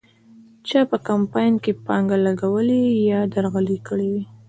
چا په کمپاین کې پانګه لګولې یا درغلۍ کړې وې.